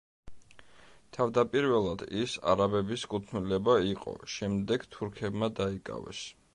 თავდაპირველად ის არაბების კუთვნილება იყო, შემდეგ თურქებმა დაიკავეს.